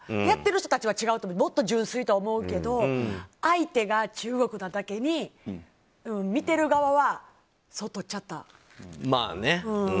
やっている人は違ってもっと純粋とは思うけど相手が中国なだけに見てる側は、そうとっちゃった。